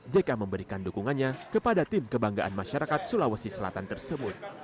jk memberikan dukungannya kepada tim kebanggaan masyarakat sulawesi selatan tersebut